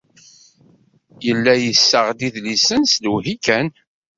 Yella yessaɣ-d idlisen s lewhi kan.